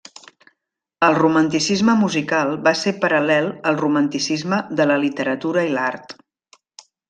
El Romanticisme musical va ser paral·lel al Romanticisme de la literatura i l’art.